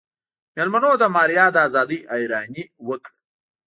مېلمنو د ماريا د ازادۍ حيراني وکړه.